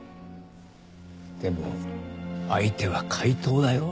でも相手は怪盗だよ。